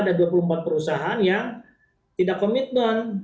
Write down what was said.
ada dua puluh empat perusahaan yang tidak komitmen